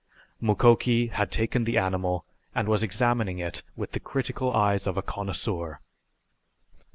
Mukoki had taken the animal and was examining it with the critical eyes of a connoisseur.